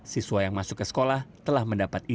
siswa yang masuk ke sekolah telah mendapatkan